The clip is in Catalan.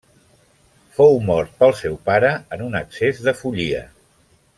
Fou mort pel seu pare en un accés de follia.